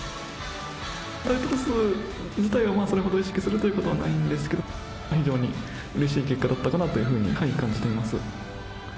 タイトル数自体はそれほど意識することはないんですけど、非常にうれしい結果だったかなというふうに感じています。